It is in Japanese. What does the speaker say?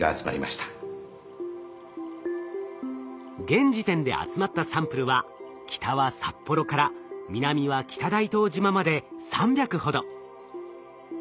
現時点で集まったサンプルは北は札幌から南は北大東島まで３００ほど。